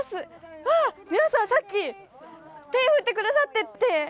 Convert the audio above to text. わっ皆さんさっき手振ってくださってて。